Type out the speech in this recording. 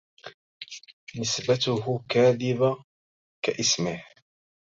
نسبته كاذبة كاسمه